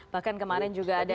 bahkan kemarin juga ada